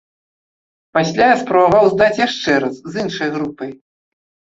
Пасля я спрабаваў здаць яшчэ раз з іншай групай.